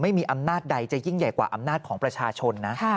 ไม่มีอำนาจใดจะยิ่งใหญ่กว่าอำนาจของประชาชนนะ